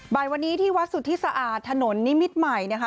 บ่ายวันนี้ที่วัดสุทธิสะอาดถนนนิมิตรใหม่นะคะ